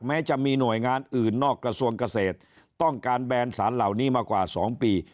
แม้จะมีหน่วยงานอื่นนอกกระทรวงเกษตรต้องการแบนสารเหล่านี้มากว่า๒ปี